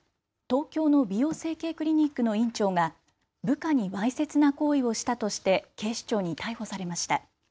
東京の美容整形クリニックの院長が部下にわいせつな行為をしたとして警視庁に逮捕されました。